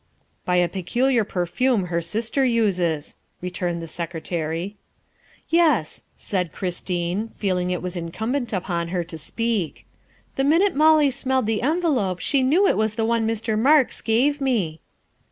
' By a peculiar perfume her sister uses," returned the Secretary. '' Yes, '' said Christine, feeling it was incumbent upon her to speak, " the minute Molly smelled the envelope she knew it was the one Mr. Marks gave me."